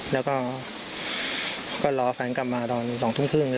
แล้วก็รอแฟนกลับมาตอน๒ทุ่มครึ่ง